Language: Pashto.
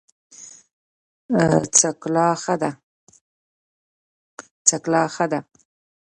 څکلا ښه ده.